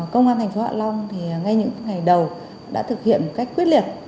công an thành phố hạ long thì ngay những ngày đầu đã thực hiện một cách quyết liệt